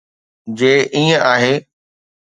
جي ائين آهي.